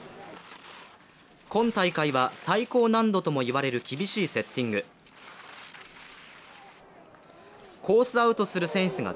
今大会は、最高難度とも言われる厳しいセッティング。コース